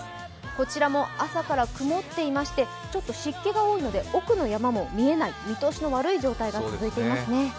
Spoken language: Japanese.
こちらも朝から曇っていましてちょっと湿気が多いので、奥の山も見えない、見通しの悪い状態が続いていますね。